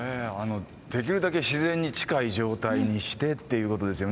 できるだけ自然に近い状態にしてっていうことですよね。